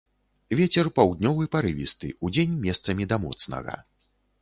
Вецер паўднёвы парывісты, удзень месцамі да моцнага.